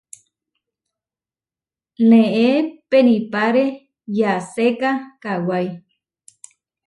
Neé penipáre yaséka kawái.